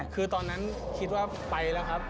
คือตอนนั้นคิดว่าไปแล้วครับ